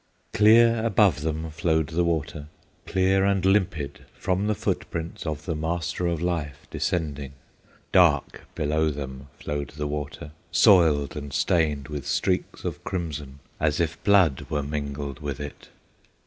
Clear above them flowed the water, Clear and limpid from the footprints Of the Master of Life descending; Dark below them flowed the water, Soiled and stained with streaks of crimson, As if blood were mingled with it!